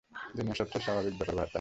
দুনিয়ার সবচেয়ে স্বাভাবিক ব্যাপার তাই।